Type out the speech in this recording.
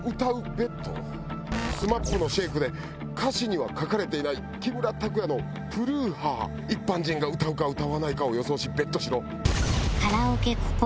ＢＥＴ」「ＳＭＡＰの『ＳＨＡＫＥ』で歌詞には書かれていない木村拓哉の“プルーハー！”一般人が歌うか歌わないかを予想しＢＥＴしろ」